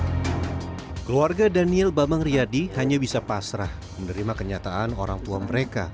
hai keluarga daniel bambang riadi hanya bisa pasrah menerima kenyataan orang tua mereka